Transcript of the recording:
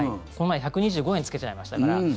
この前１２５円つけちゃいましたから。